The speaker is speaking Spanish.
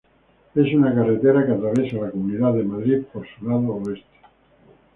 Es una carretera que atraviesa la comunidad de Madrid por su lado oeste.